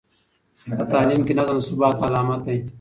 په تعلیم کې نظم د ثبات علامت دی.